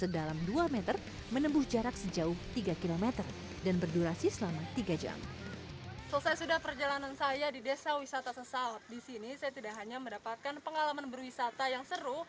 di sini saya tidak hanya mendapatkan pengalaman berwisata yang seru